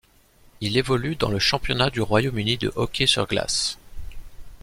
Il évolue dans le Championnat du Royaume-Uni de hockey sur glace.